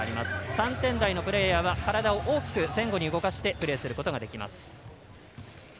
３点台のプレーヤーは体を前後に大きく動かしてプレーすることができます。